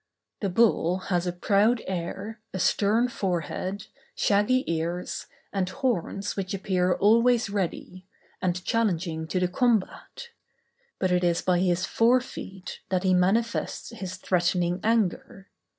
The bull has a proud air, a stern forehead, shaggy ears, and horns which appear always ready, and challenging to the combat; but it is by his fore feet that he manifests his threatening anger.